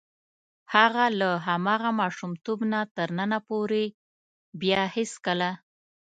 هغه له هماغه ماشومتوب نه تر ننه پورې بیا هېڅکله.